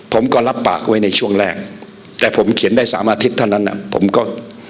ผมก็รับปากไว้ในช่วงแรกแต่ผมเขียนได้สามอาทิตย์เท่านั้นอ่ะผมก็